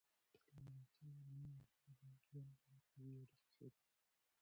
تعلیم یافته میرمنې د خپلو ګاونډیانو سره قوي اړیکې ساتي.